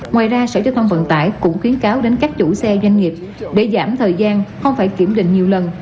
ngoài ra sở giao thông vận tải cũng khuyến cáo đến các chủ xe doanh nghiệp để giảm thời gian không phải kiểm định nhiều lần